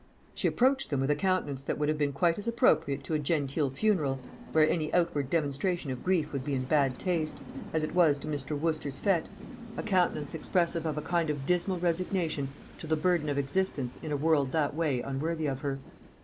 She approached them with a countenance that would have been quite as appropriate to a genteel funeral where any outward demonstration of grief would be in bad taste as it was to Mr. Wooster's fête, a countenance expressive of a kind of dismal resignation to the burden of existence in a world that was unworthy of her.